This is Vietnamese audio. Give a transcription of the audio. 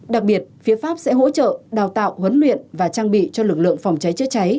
đặc biệt phía pháp sẽ hỗ trợ đào tạo huấn luyện và trang bị cho lực lượng phòng cháy chữa cháy